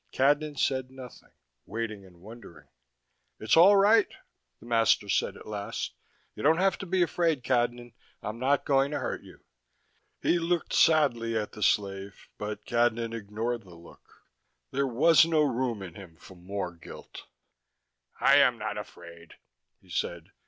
Cadnan said nothing, waiting and wondering. "It's all right," the master said at last. "You don't have to be afraid, Cadnan. I'm not going to hurt you." He looked sadly at the slave, but Cadnan ignored the look: there was no room in him for more guilt. "I am not afraid," he said.